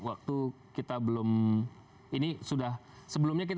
atau langsung dibawa ke jakarta